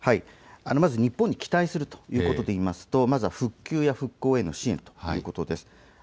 まず日本に期待するということでいうとまずは復旧や復興への支援です。